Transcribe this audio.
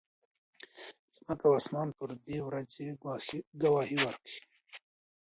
ځمکه او اسمان پر دې ورځې ګواهي ورکوي.